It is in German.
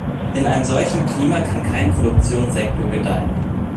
In einem solchen Klima kann kein Produktionssektor gedeihen.